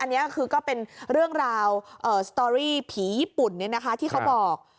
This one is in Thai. อันนี้ก็เป็นเรื่องราวสตอรี่ผีญี่ปุ่นเนี่ยนะคะที่เขาบอก